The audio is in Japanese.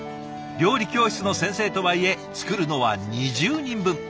料理教室の先生とはいえ作るのは２０人分。